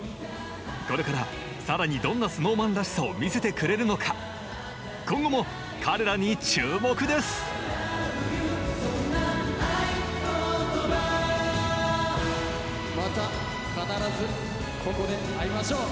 これから更にどんなＳｎｏｗＭａｎらしさを見せてくれるのか今後も彼らに注目です「そんなあいことば」また必ずここで会いましょう。